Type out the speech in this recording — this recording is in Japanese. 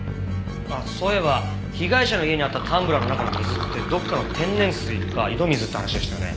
そういえば被害者の家にあったタンブラーの中の水ってどっかの天然水か井戸水って話でしたよね？